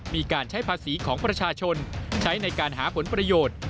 มีการใช้ภาษีของประชาชนใช้ในการหาผลประโยชน์